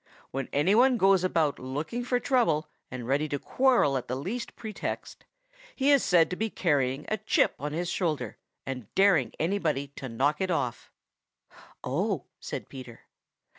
When any one goes about looking for trouble and ready to quarrel at the least pretext, he is said to be carrying a chip on his shoulder and daring anybody to knock it off." "Oh!" said Peter.